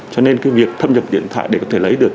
cho nên cái việc thâm nhập điện thoại để có thể lấy được